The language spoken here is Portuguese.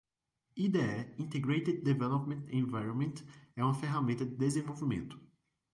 IDE (Integrated Development Environment) é uma ferramenta de desenvolvimento.